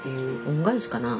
恩返しかな